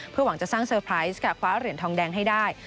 หวังจะสร้างเซอร์ไพรส์ค่ะคว้าเหรียญทองแดงให้ได้